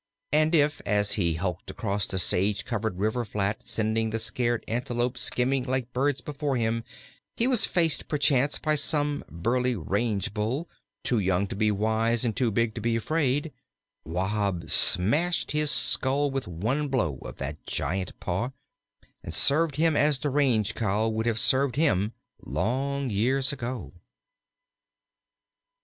And if, as he hulked across the sage covered river flat sending the scared Antelope skimming like birds before him, he was faced perchance, by some burly Range bull, too young to be wise and too big to be afraid, Wahb smashed his skull with one blow of that giant paw, and served him as the Range cow would have served himself long years ago.